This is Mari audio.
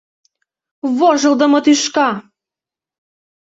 Вожылдымо тӱшка!